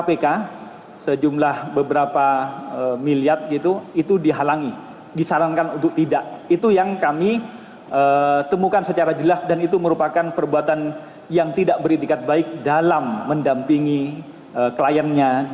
yang terakhir ada orang yang akan memberikan pengembalian